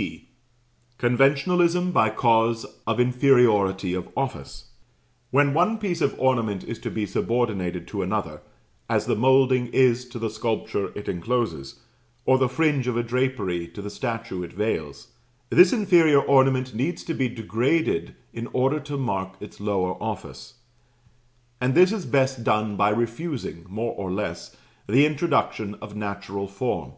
(C.) Conventionalism by cause of inferiority of office. When one piece of ornament is to be subordinated to another (as the moulding is to the sculpture it encloses, or the fringe of a drapery to the statue it veils), this inferior ornament needs to be degraded in order to mark its lower office; and this is best done by refusing, more or less, the introduction of natural form.